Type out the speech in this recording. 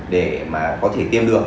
để có thể tiêm được